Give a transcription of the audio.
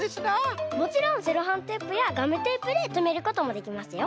もちろんセロハンテープやガムテープでとめることもできますよ。